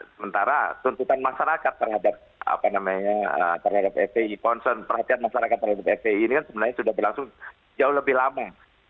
sementara tuntutan masyarakat terhadap fpi concern perhatian masyarakat terhadap fpi ini kan sebenarnya sudah berlangsung jauh lebih lama